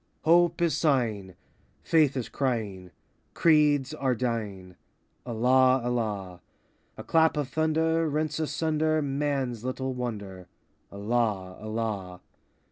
Hope is sighing, Faith is crying, Creeds are dying,— Allah, Allah! A clap of thunder Rents asunder Man's little Wonder,— Allah, Allah!